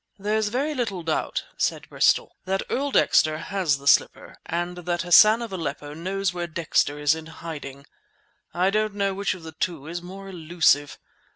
"There's very little doubt," said Bristol, "that Earl Dexter has the slipper and that Hassan of Aleppo knows where Dexter is in hiding. I don't know which of the two is more elusive.